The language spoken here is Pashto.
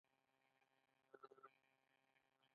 چې ټول د ميډيکل ډاکټران دي